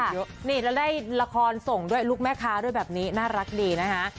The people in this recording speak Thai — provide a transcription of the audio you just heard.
เยอะนี่แล้วได้ละครส่งด้วยลูกแม่ค้าด้วยแบบนี้น่ารักดีนะฮะ